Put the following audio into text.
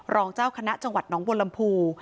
รองเจ้าคณะจังหวัดน้องบนลำพู